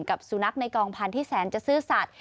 กับสุนัขในกองพันธุ์แสนจะซื่อสัตว